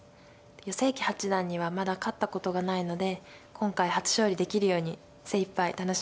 余正麒八段にはまだ勝ったことがないので今回初勝利できるように精いっぱい楽しみながら頑張りたいと思います。